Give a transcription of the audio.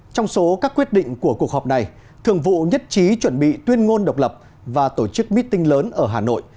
trong số các quyết định của cuộc họp này thường vụ nhất trí chuẩn bị tuyên ngôn độc lập và tổ chức meeting lớn ở hà nội